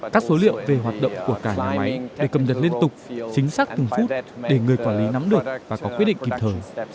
các số liệu về hoạt động của cả nhà máy để cầm đặt liên tục chính xác từng phút để người quản lý nắm được và có quyết định kịp thời